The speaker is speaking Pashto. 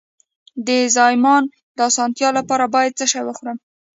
د زایمان د اسانتیا لپاره باید څه شی وخورم؟